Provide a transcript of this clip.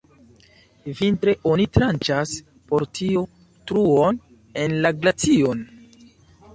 Vintre oni tranĉas por tio truon en la glacion.